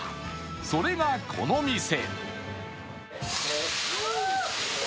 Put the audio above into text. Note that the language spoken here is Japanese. それがこの店。